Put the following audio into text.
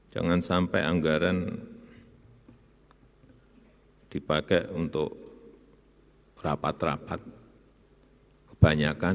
jangan sampai anggaran dipakai untuk rapat rapat kebanyakan